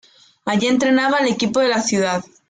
Allí entrenaba al equipo de la ciudad.